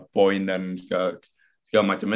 poin dan segala macamnya